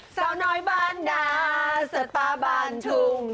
สาวน้อยบ้านหนาสัตว์ป่าบานทุ่ง